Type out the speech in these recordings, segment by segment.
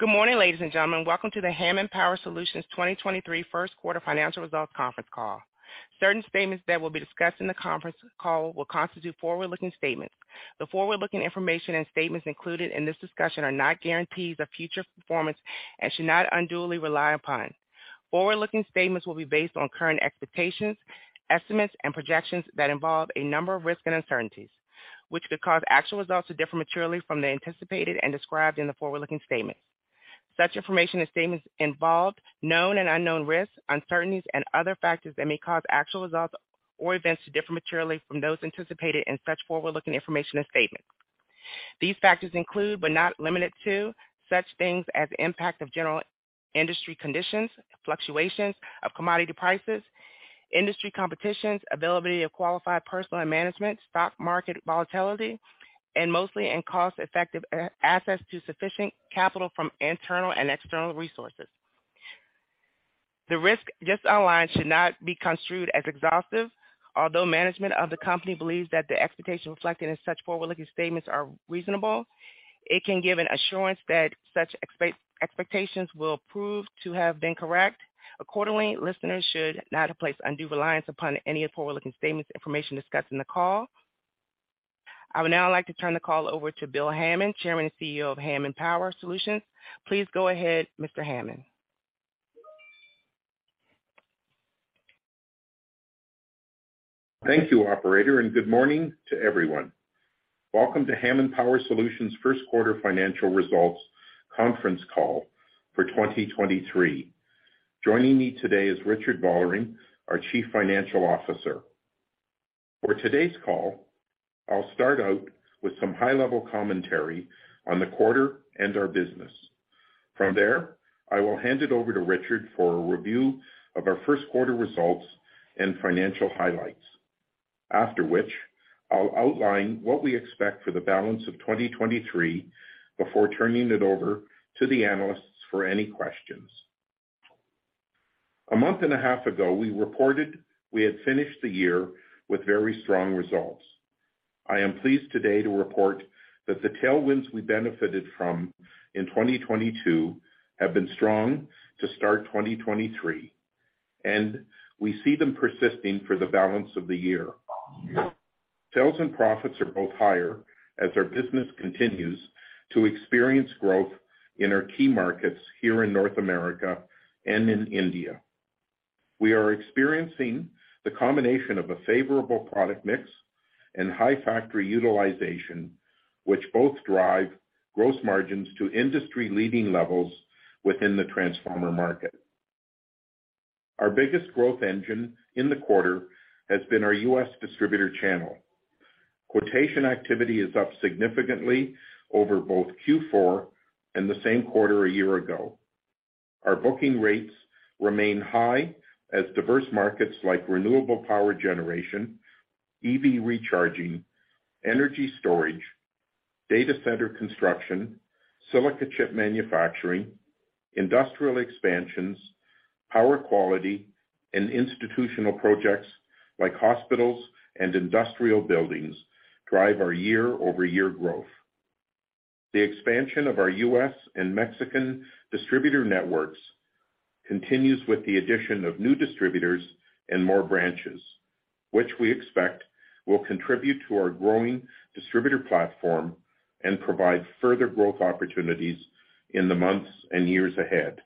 Good morning, ladies and gentlemen. Welcome to the Hammond Power Solutions 2023 first quarter financial results conference call. Certain statements that will be discussed in the conference call will constitute forward-looking statements. The forward-looking information and statements included in this discussion are not guarantees of future performance and should not unduly rely upon. Forward-looking statements will be based on current expectations, estimates, and projections that involve a number of risks and uncertainties, which could cause actual results to differ materially from the anticipated and described in the forward-looking statements. Such information and statements involve known and unknown risks, uncertainties, and other factors that may cause actual results or events to differ materially from those anticipated in such forward-looking information and statements. These factors include, but not limited to such things as impact of general industry conditions, fluctuations of commodity prices, industry competitions, availability of qualified personnel and management, stock market volatility, and mostly in cost-effective access to sufficient capital from internal and external resources. The risk just outlined should not be construed as exhaustive. Although management of the company believes that the expectations reflected in such forward-looking statements are reasonable, it can give an assurance that such expectations will prove to have been correct. Listeners should not place undue reliance upon any forward-looking statements information discussed in the call. I would now like to turn the call over to Bill Hammond, Chairman and CEO of Hammond Power Solutions. Please go ahead, Mr. Hammond. Thank you, operator. Good morning to everyone. Welcome to Hammond Power Solutions first quarter financial results conference call for 2023. Joining me today is Richard Vollering, our Chief Financial Officer. For today's call, I'll start out with some high-level commentary on the quarter and our business. From there, I will hand it over to Richard for a review of our first quarter results and financial highlights. After which, I'll outline what we expect for the balance of 2023 before turning it over to the analysts for any questions. A month and a half ago, we reported we had finished the year with very strong results. I am pleased today to report that the tailwinds we benefited from in 2022 have been strong to start 2023, and we see them persisting for the balance of the year. Sales and profits are both higher as our business continues to experience growth in our key markets here in North America and in India. We are experiencing the combination of a favorable product mix and high factory utilization, which both drive gross margins to industry-leading levels within the transformer market. Our biggest growth engine in the quarter has been our U.S. distributor channel. Quotation activity is up significantly over both Q4 and the same quarter a year ago. Our booking rates remain high as diverse markets like renewable power generation, EV charging, energy storage, data center construction, silicon chip manufacturing, industrial expansions, power quality, and institutional projects like hospitals and industrial buildings drive our year-over-year growth. The expansion of our U.S. and Mexican distributor networks continues with the addition of new distributors and more branches, which we expect will contribute to our growing distributor platform and provide further growth opportunities in the months and years ahead.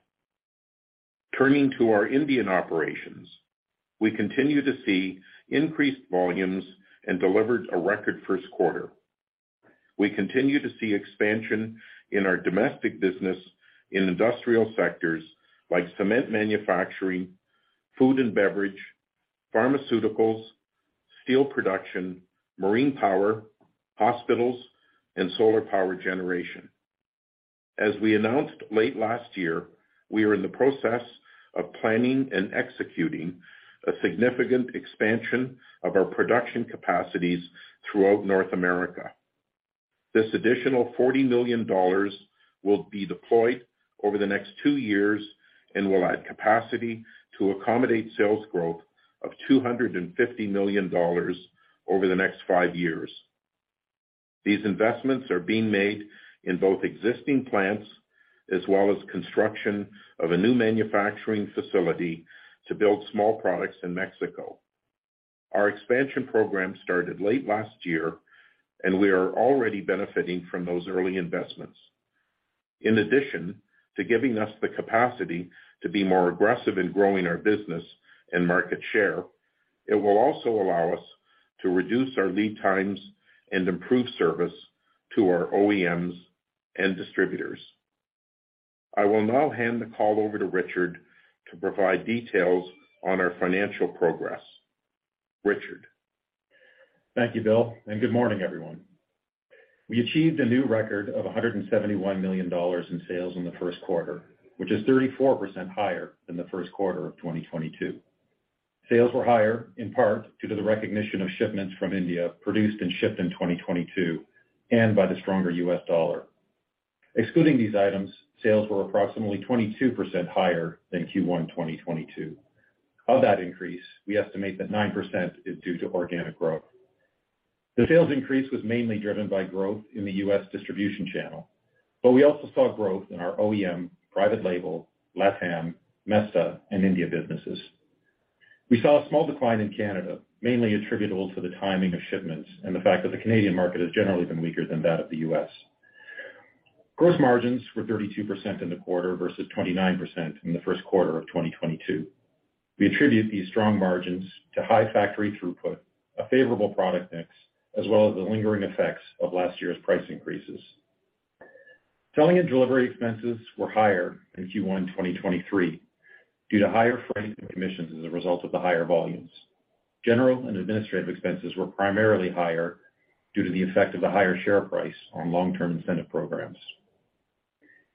Turning to our Indian operations, we continue to see increased volumes and delivered a record first quarter. We continue to see expansion in our domestic business in industrial sectors like cement manufacturing, food and beverage, pharmaceuticals, steel production, marine power, hospitals, and solar power generation. As we announced late last year, we are in the process of planning and executing a significant expansion of our production capacities throughout North America. This additional 40 million dollars will be deployed over the next two years and will add capacity to accommodate sales growth of 250 million dollars over the next five years. These investments are being made in both existing plants as well as construction of a new manufacturing facility to build small products in Mexico. Our expansion program started late last year, and we are already benefiting from those early investments. In addition to giving us the capacity to be more aggressive in growing our business and market share, it will also allow us to reduce our lead times and improve service to our OEMs and distributors. I will now hand the call over to Richard to provide details on our financial progress. Richard. Thank you, Bill, and good morning, everyone. We achieved a new record of 171 million dollars in sales in the first quarter, which is 34% higher than the first quarter of 2022. Sales were higher in part due to the recognition of shipments from India produced and shipped in 2022, and by the stronger U.S. dollar. Excluding these items, sales were approximately 22% higher than Q1 2022. Of that increase, we estimate that 9% is due to organic growth. The sales increase was mainly driven by growth in the U.S. distribution channel, but we also saw growth in our OEM private label, LATAM, Mesta, and India businesses. We saw a small decline in Canada, mainly attributable to the timing of shipments and the fact that the Canadian market has generally been weaker than that of the U.S. Gross margins were 32% in the quarter versus 29% in the first quarter of 2022. We attribute these strong margins to high factory throughput, a favorable product mix, as well as the lingering effects of last year's price increases. Selling and delivery expenses were higher in Q1 2023 due to higher freight and commissions as a result of the higher volumes. General and administrative expenses were primarily higher due to the effect of a higher share price on long-term incentive programs.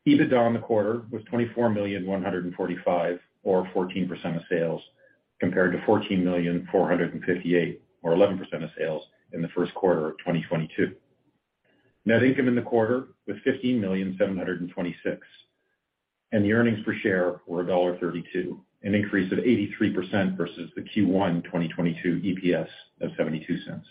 EBITDA on the quarter was 24,000,145 or 14% of sales, compared to 14,000,458 or 11% of sales in the first quarter of 2022. Net income in the quarter was 15,726,000, and the earnings per share were dollar 1.32, an increase of 83% versus the Q1 2022 EPS of 0.72.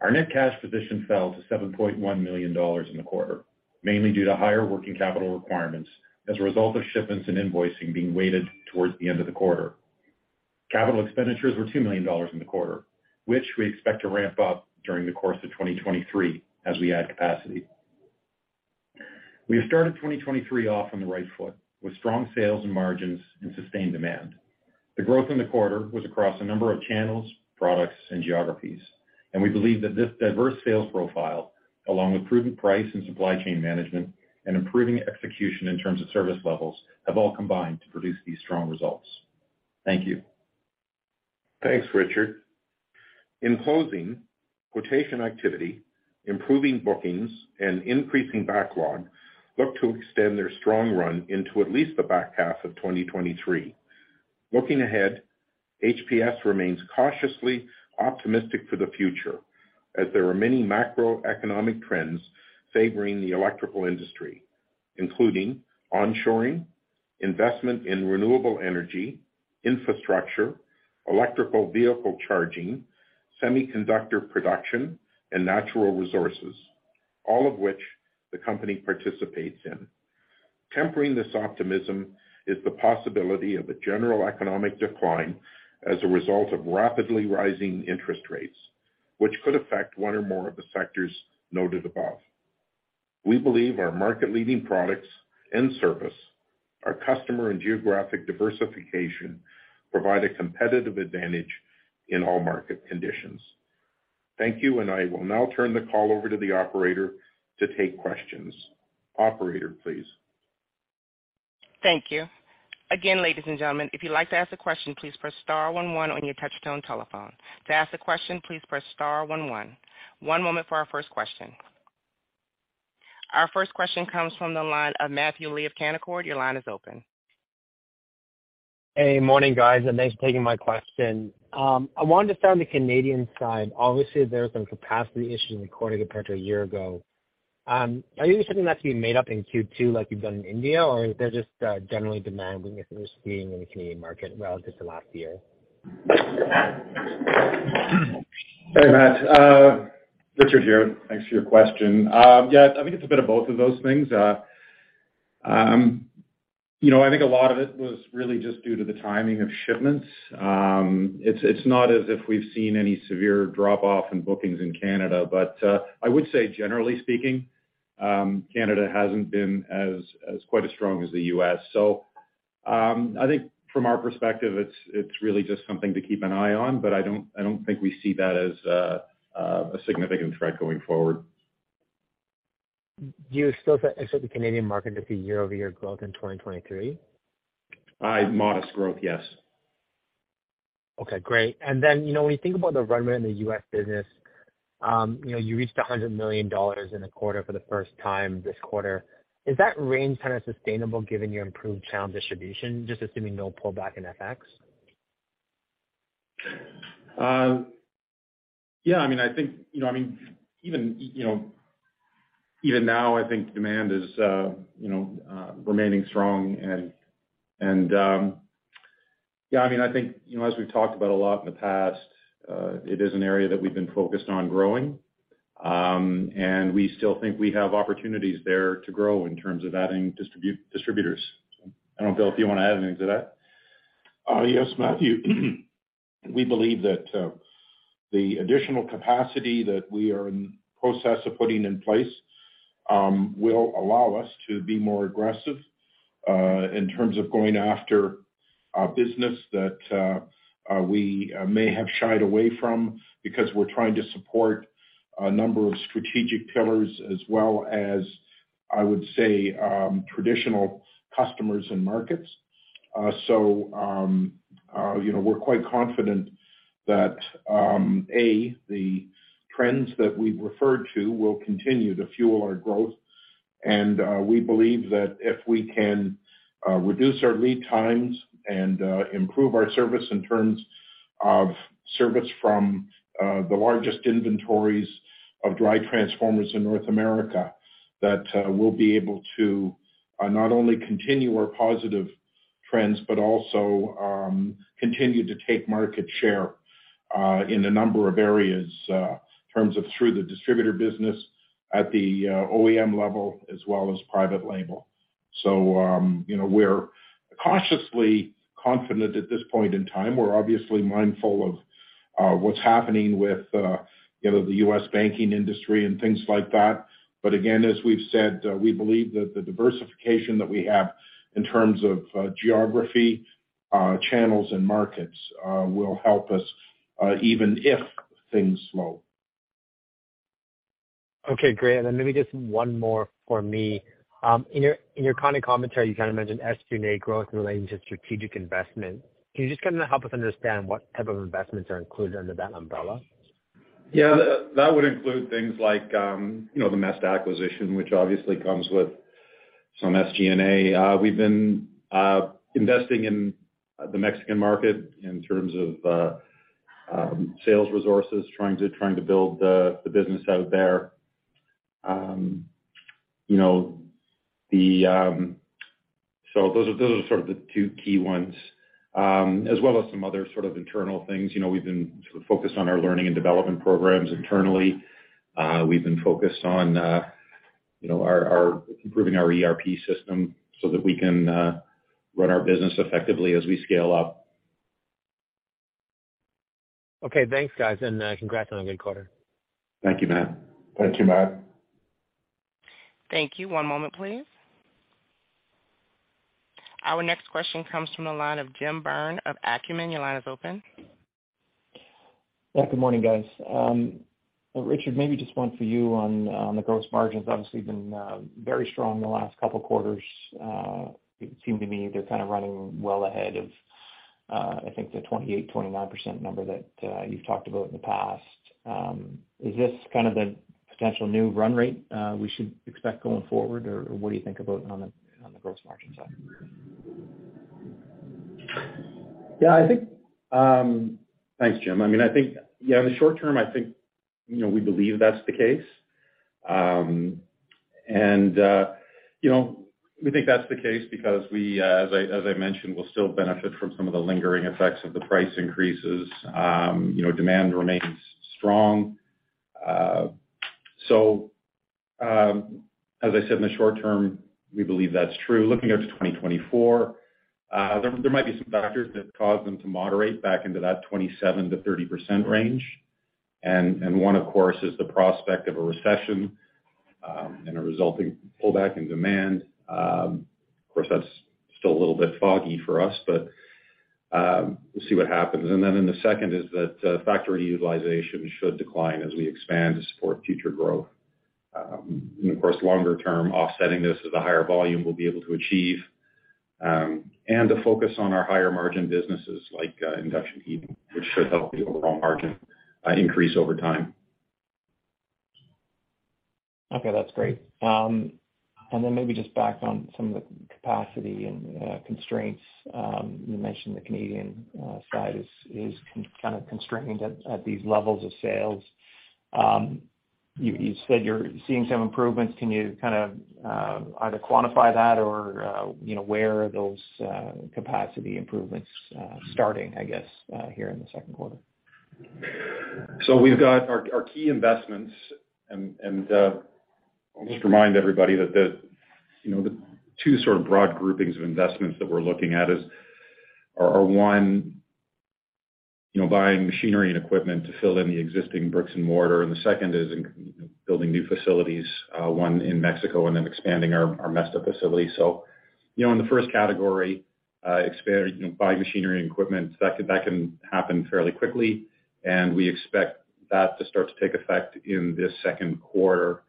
Our net cash position fell to 7.1 million dollars in the quarter, mainly due to higher working capital requirements as a result of shipments and invoicing being weighted towards the end of the quarter. Capital expenditures were 2 million dollars in the quarter, which we expect to ramp up during the course of 2023 as we add capacity. We have started 2023 off on the right foot with strong sales and margins and sustained demand. The growth in the quarter was across a number of channels, products, and geographies, and we believe that this diverse sales profile, along with prudent price and supply chain management and improving execution in terms of service levels, have all combined to produce these strong results. Thank you. Thanks, Richard. In closing, quotation activity, improving bookings, and increasing backlog look to extend their strong run into at least the back half of 2023. Looking ahead, HPS remains cautiously optimistic for the future as there are many macroeconomic trends favoring the electrical industry, including onshoring, investment in renewable energy, infrastructure, electrical vehicle charging, semiconductor production, and natural resources, all of which the company participates in. Tempering this optimism is the possibility of a general economic decline as a result of rapidly rising interest rates, which could affect one or more of the sectors noted above. We believe our market-leading products and service, our customer and geographic diversification provide a competitive advantage in all market conditions. Thank you, and I will now turn the call over to the operator to take questions. Operator, please. Thank you. Again, ladies and gentlemen, if you'd like to ask a question, please press star one one on your touch-tone telephone. To ask a question, please press star one one. One moment for our first question. Our first question comes from the line of Matthew Lee of Canaccord. Your line is open. Hey, morning, guys. Thanks for taking my question. I wanted to start on the Canadian side. Obviously, there have been capacity issues in the quarter compared to a year ago. Are you expecting that to be made up in Q2 like you've done in India, or is there just generally demand weakness that we're seeing in the Canadian market relative to last year? Hey, Matt. Richard here. Thanks for your question. Yeah, I think it's a bit of both of those things. You know, I think a lot of it was really just due to the timing of shipments. It's not as if we've seen any severe drop-off in bookings in Canada, but I would say generally speaking, Canada hasn't been as quite as strong as the U.S. I think from our perspective, it's really just something to keep an eye on, but I don't think we see that as a significant threat going forward. Do you still expect the Canadian market to see year-over-year growth in 2023? Modest growth, yes. Okay, great. You know, when you think about the run rate in the U.S. business, you know, you reached $100 million in the quarter for the first time this quarter. Is that range kind of sustainable given your improved channel distribution, just assuming no pullback in FX? Yeah, I mean, I think, you know, I mean, even, you know, even now I think demand is, you know, remaining strong and, yeah, I mean, I think, you know, as we've talked about a lot in the past, it is an area that we've been focused on growing. We still think we have opportunities there to grow in terms of adding distributors. I don't know, Bill, if you wanna add anything to that. Yes, Matthew. We believe that the additional capacity that we are in process of putting in place will allow us to be more aggressive in terms of going after business that we may have shied away from because we're trying to support a number of strategic pillars as well as, I would say, traditional customers and markets. You know, we're quite confident that A, the trends that we've referred to will continue to fuel our growth, and we believe that if we can reduce our lead times and improve our service in terms of service from the largest inventories of dry-type transformers in North America, that we'll be able to not only continue our positive trends, but also, continue to take market share in a number of areas in terms of through the distributor business at the OEM level as well as private label. You know, we're cautiously confident at this point in time. We're obviously mindful of what's happening with, you know, the U.S. banking industry and things like that. Again, as we've said, we believe that the diversification that we have in terms of geography, channels and markets will help us even if things slow. Okay, great. Maybe just one more for me. In your kind of commentary, you kind of mentioned SG&A growth relating to strategic investment. Can you just kind of help us understand what type of investments are included under that umbrella? Yeah. That would include things like, you know, the Mesta acquisition, which obviously comes with some SG&A. We've been investing in the Mexican market in terms of sales resources, trying to build the business out there. You know, those are sort of the two key ones, as well as some other sort of internal things. You know, we've been sort of focused on our learning and development programs internally. We've been focused on, you know, improving our ERP system so that we can run our business effectively as we scale up. Okay. Thanks, guys. Congrats on a good quarter. Thank you, Matt. Thank you, Matt. Thank you. One moment, please. Our next question comes from the line of Jim Byrne of Acumen. Your line is open. Good morning, guys. Richard, maybe just one for you on the gross margins. Obviously been very strong the last couple quarters. It seemed to me they're kind of running well ahead of, I think the 28%-29% number that you've talked about in the past. Is this kind of the potential new run rate we should expect going forward or what do you think about on the gross margin side? Yeah, I think. Thanks, Jim. I mean, I think, yeah, in the short term, I think, you know, we believe that's the case. You know, we think that's the case because we, as I, as I mentioned, will still benefit from some of the lingering effects of the price increases. You know, demand remains strong. As I said, in the short term, we believe that's true. Looking out to 2024, there might be some factors that cause them to moderate back into that 27%-30% range. One, of course, is the prospect of a recession, and a resulting pullback in demand. Of course, that's still a little bit foggy for us, but we'll see what happens. In the second is that factory utilization should decline as we expand to support future growth. Of course, longer term offsetting this is the higher volume we'll be able to achieve, and the focus on our higher margin businesses like induction heating, which should help the overall margin increase over time. Okay, that's great. Maybe just back on some of the capacity and constraints. You mentioned the Canadian side is kind of constrained at these levels of sales. You said you're seeing some improvements. Can you kind of either quantify that or, you know, where are those capacity improvements starting, I guess, here in the second quarter? We've got our key investments and, I'll just remind everybody that the, you know, the two sort of broad groupings of investments that we're looking at are, one, you know, buying machinery and equipment to fill in the existing bricks and mortar. The second is in building new facilities, one in Mexico and then expanding our Mesta facility. You know, in the first category, you know, buying machinery and equipment, that can, that can happen fairly quickly, and we expect that to start to take effect in this second quarter.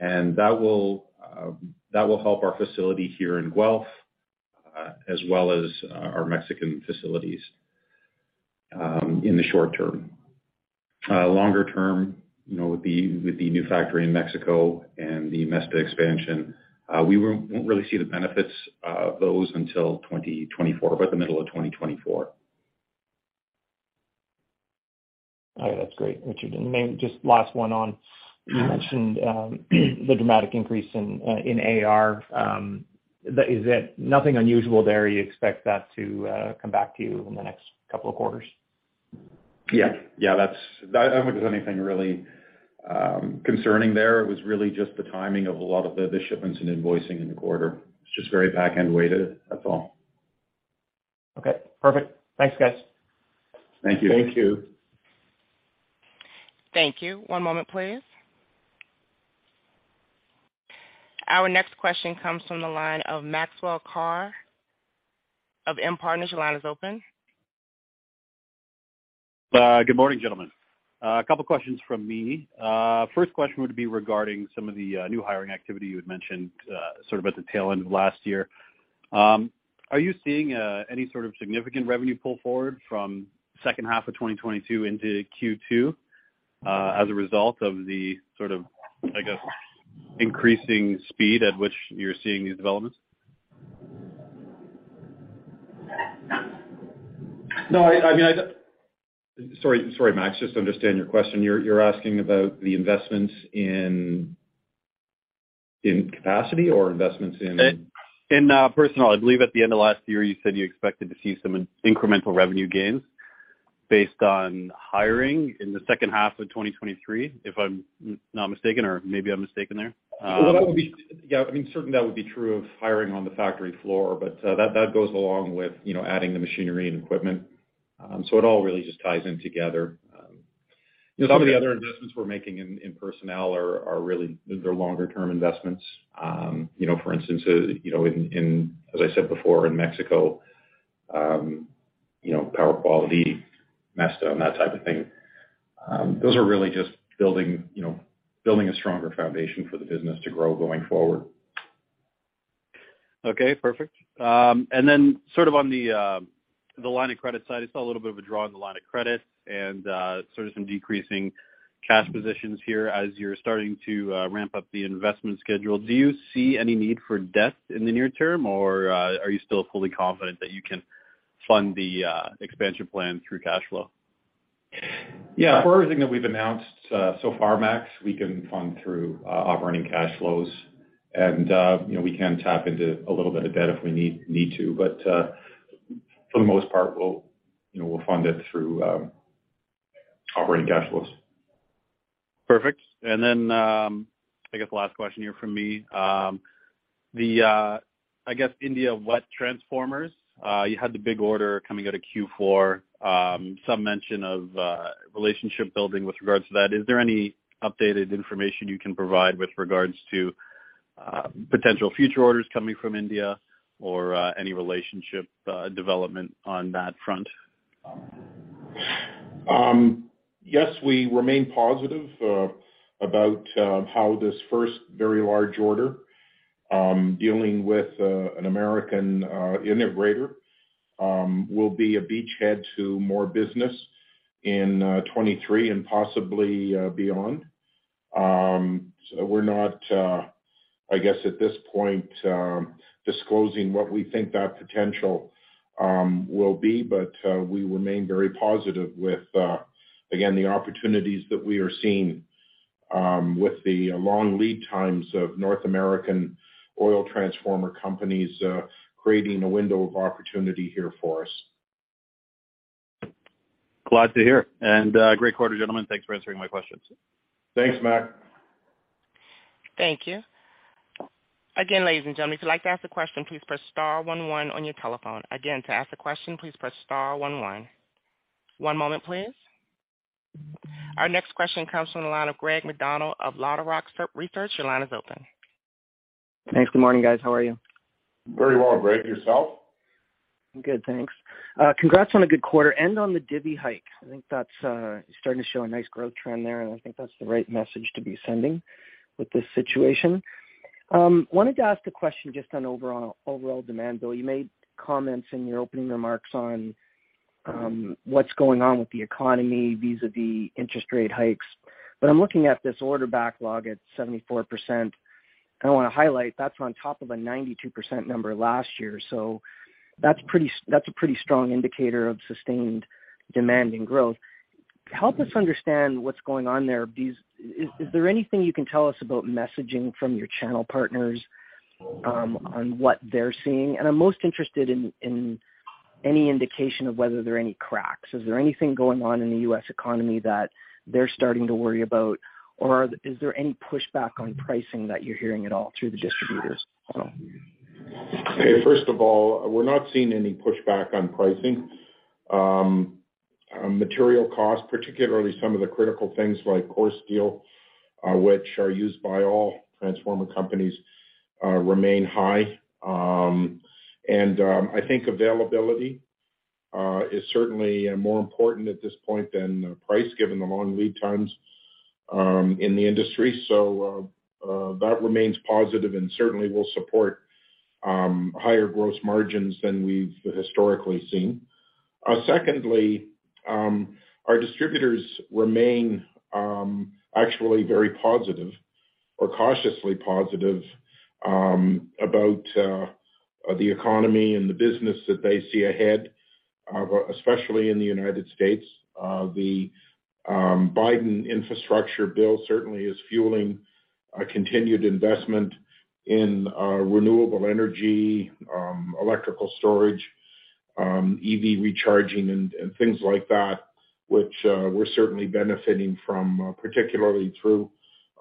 That will help our facility here in Guelph, as well as our Mexican facilities, in the short term. Longer term, you know, with the new factory in Mexico and the Mesta expansion, we won't really see the benefits of those until 2024, about the middle of 2024. Okay, that's great, Richard. Maybe just last one on, you mentioned, the dramatic increase in AR. Is that nothing unusual there? You expect that to come back to you in the next couple of quarters? Yeah. Yeah, I don't think there's anything really concerning there. It was really just the timing of a lot of the shipments and invoicing in the quarter. It's just very back-end weighted, that's all. Okay, perfect. Thanks, guys. Thank you. Thank you. Thank you. One moment please. Our next question comes from the line of Maxwell Carr of M Partners. Your line is open. Good morning, gentlemen. A couple questions from me. First question would be regarding some of the new hiring activity you had mentioned sort of at the tail end of last year. Are you seeing any sort of significant revenue pull forward from second half of 2022 into Q2 as a result of the sort of, I guess, increasing speed at which you're seeing these developments? I mean, I don't. Sorry, Max, just to understand your question, you're asking about the investments in capacity or investments in? In personnel. I believe at the end of last year, you said you expected to see some incremental revenue gains based on hiring in the second half of 2023, if I'm not mistaken or maybe I'm mistaken there? Well, that would be. Yeah, I mean, certainly that would be true of hiring on the factory floor, but that goes along with, you know, adding the machinery and equipment. It all really just ties in together. Some of the other investments we're making in personnel are really, they're longer term investments. You know, for instance, you know, in, as I said before, in Mexico, you know, power quality, Mesta, and that type of thing. Those are really just building, you know, a stronger foundation for the business to grow going forward. Okay, perfect. Sort of on the line of credit side, I saw a little bit of a draw on the line of credit and sort of some decreasing cash positions here as you're starting to ramp up the investment schedule. Do you see any need for debt in the near term? Or are you still fully confident that you can fund the expansion plan through cash flow? Yeah, for everything that we've announced, so far, Max, we can fund through operating cash flows. You know, we can tap into a little bit of debt if we need to. For the most part, we'll, you know, fund it through operating cash flows. Perfect. I guess last question here from me. The I guess India wet transformers, you had the big order coming out of Q4, some mention of relationship building with regards to that. Is there any updated information you can provide with regards to potential future orders coming from India or any relationship development on that front? Yes, we remain positive about how this first very large order dealing with an American integrator will be a beachhead to more business in 2023 and possibly beyond. We're not, I guess, at this point, disclosing what we think that potential will be, but we remain very positive with again, the opportunities that we are seeing with the long lead times of North American oil-filled transformer companies creating a window of opportunity here for us. Glad to hear. Great quarter, gentlemen. Thanks for answering my questions. Thanks, Max. Thank you. Again, ladies and gentlemen, if you'd like to ask a question, please press star one one on your telephone. Again, to ask a question, please press star one one. One moment, please. Our next question comes from the line of Greg MacDonald of LodeRock Research. Your line is open. Thanks. Good morning, guys. How are you? Very well, Greg. Yourself? I'm good, thanks. Congrats on a good quarter and on the divvy hike. I think that's starting to show a nice growth trend there, and I think that's the right message to be sending with this situation. Wanted to ask a question just on overall demand, Bill. You made comments in your opening remarks on what's going on with the economy vis-à-vis interest rate hikes. I'm looking at this order backlog at 74%, and I wanna highlight that's on top of a 92% number last year. That's a pretty strong indicator of sustained demand and growth. Help us understand what's going on there. Is there anything you can tell us about messaging from your channel partners on what they're seeing? I'm most interested in any indication of whether there are any cracks. Is there anything going on in the U.S. economy that they're starting to worry about? Is there any pushback on pricing that you're hearing at all through the distributors at all? Okay. First of all, we're not seeing any pushback on pricing. Material costs, particularly some of the critical things like core steel, which are used by all transformer companies, remain high. And I think availability is certainly more important at this point than price, given the long lead times in the industry. That remains positive and certainly will support higher gross margins than we've historically seen. Secondly, our distributors remain actually very positive or cautiously positive about the economy and the business that they see ahead, especially in the United States. The Biden infrastructure bill certainly is fueling a continued investment in renewable energy, electrical storage, EV charging and things like that, which we're certainly benefiting from, particularly through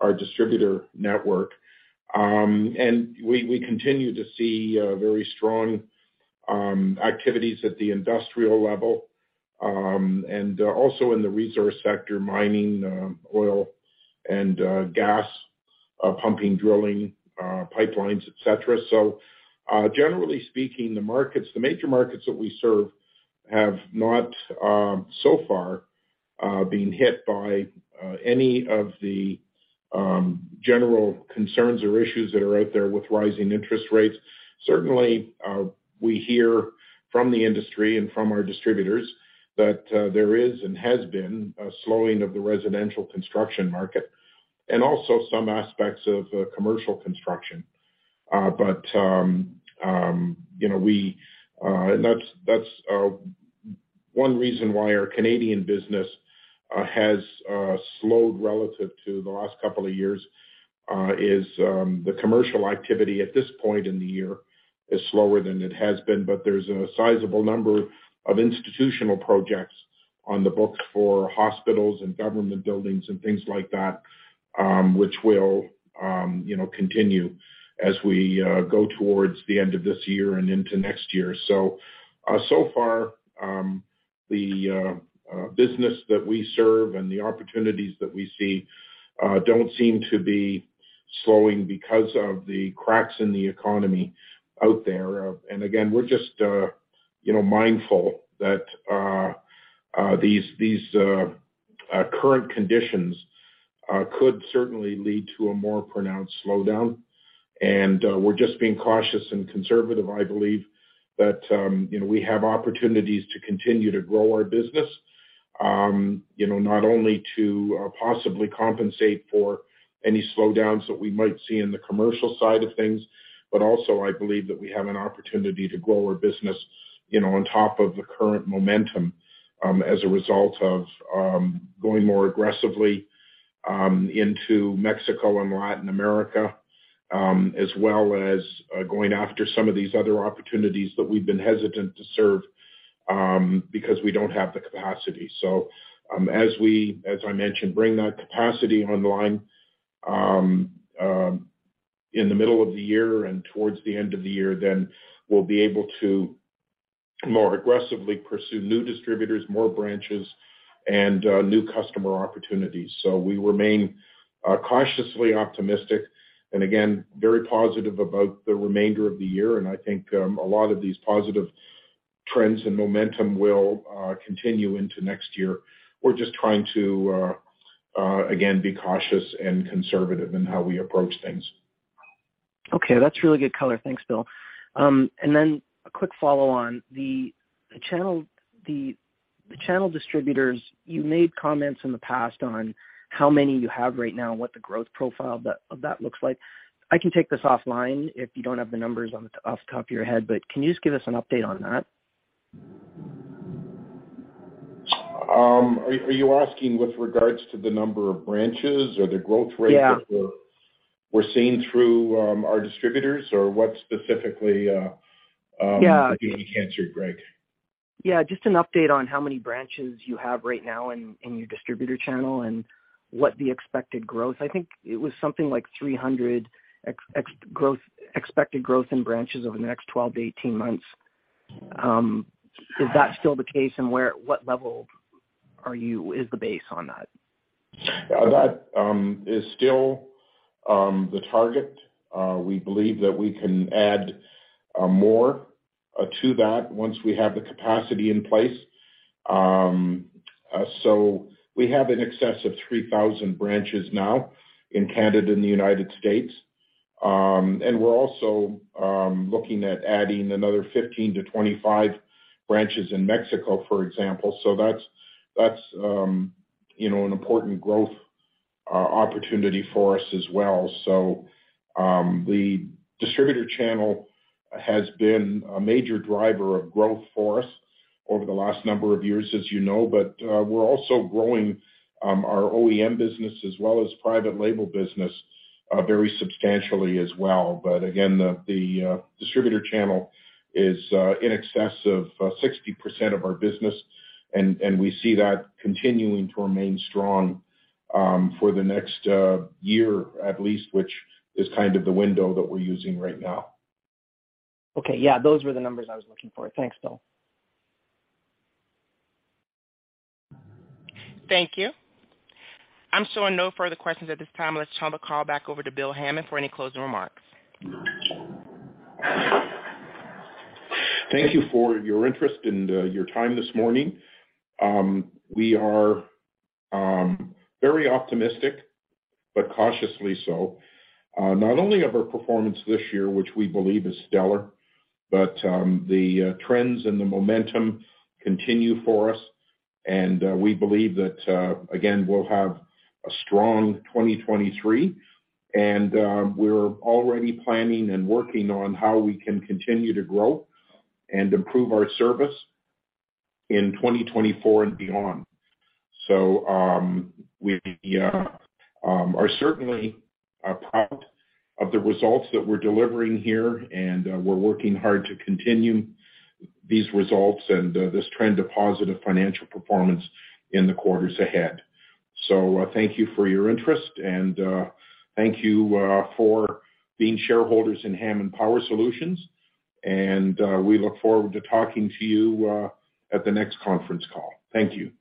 our distributor network. We continue to see very strong activities at the industrial level, and also in the resource sector, mining, oil and gas, pumping, drilling, pipelines, et cetera. Generally speaking, the markets, the major markets that we serve have not so far been hit by any of the general concerns or issues that are out there with rising interest rates. Certainly, we hear from the industry and from our distributors that there is and has been a slowing of the residential construction market and also some aspects of commercial construction. You know, that's one reason why our Canadian business has slowed relative to the last couple of years, is the commercial activity at this point in the year is slower than it has been. There's a sizable number of institutional projects on the books for hospitals and government buildings and things like that, which will, you know, continue as we go towards the end of this year and into next year. So far, the business that we serve and the opportunities that we see, don't seem to be slowing because of the cracks in the economy out there. Again, we're just, you know, mindful that these current conditions, could certainly lead to a more pronounced slowdown. We're just being cautious and conservative. I believe that, you know, we have opportunities to continue to grow our business, you know, not only to possibly compensate for any slowdowns that we might see in the commercial side of things, but also I believe that we have an opportunity to grow our business, you know, on top of the current momentum, as a result of going more aggressively into Mexico and Latin America, as well as going after some of these other opportunities that we've been hesitant to serve because we don't have the capacity. As I mentioned, bring that capacity online in the middle of the year and towards the end of the year, then we'll be able to more aggressively pursue new distributors, more branches and new customer opportunities. We remain cautiously optimistic and again, very positive about the remainder of the year. I think a lot of these positive trends and momentum will continue into next year. We're just trying to again, be cautious and conservative in how we approach things. Okay, that's really good color. Thanks, Bill. A quick follow on the channel distributors, you made comments in the past on how many you have right now and what the growth profile of that looks like. I can take this offline if you don't have the numbers off the top of your head, but can you just give us an update on that? Are you asking with regards to the number of branches or the growth rate? Yeah... that we're seeing through our distributors or what specifically. Yeah. I can get you answered, Greg. Yeah, just an update on how many branches you have right now in your distributor channel and what the expected growth. I think it was something like 300 expected growth in branches over the next 12 to 18 months. Is that still the case? What level is the base on that? That is still the target. We believe that we can add more to that once we have the capacity in place. We have in excess of 3,000 branches now in Canada and the United States. We're also looking at adding another 15-25 branches in Mexico, for example. That's, you know, an important growth opportunity for us as well. The distributor channel has been a major driver of growth for us over the last number of years, as you know. We're also growing our OEM business as well as private label business very substantially as well. Again, the distributor channel is in excess of 60% of our business. We see that continuing to remain strong, for the next year at least, which is kind of the window that we're using right now. Okay. Yeah, those were the numbers I was looking for. Thanks, Bill. Thank you. I'm showing no further questions at this time. Let's turn the call back over to Bill Hammond for any closing remarks. Thank you for your interest and your time this morning. We are very optimistic, but cautiously so, not only of our performance this year, which we believe is stellar, but the trends and the momentum continue for us. We believe that again, we'll have a strong 2023. We're already planning and working on how we can continue to grow and improve our service in 2024 and beyond. We are certainly proud of the results that we're delivering here, and we're working hard to continue these results and this trend of positive financial performance in the quarters ahead. Thank you for your interest, and thank you for being shareholders in Hammond Power Solutions. We look forward to talking to you, at the next conference call. Thank you.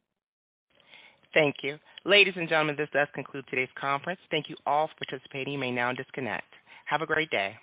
Thank you. Ladies and gentlemen, this does conclude today's conference. Thank you all for participating. You may now disconnect. Have a great day.